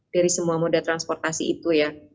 dari semua moda transportasi itu ya